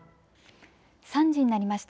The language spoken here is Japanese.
３時になりました。